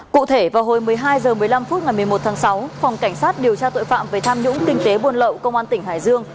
cụ thể vào hồi một mươi hai h một mươi năm phút ngày một mươi một tháng sáu phòng cảnh sát điều tra tội phạm về tham nhũng kinh tế buôn lậu công an tỉnh hải dương